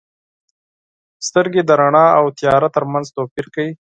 • سترګې د رڼا او تیاره ترمنځ توپیر کوي.